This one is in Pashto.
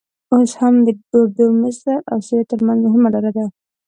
اوس هم د اردن، مصر او سوریې ترمنځ مهمه لاره ده.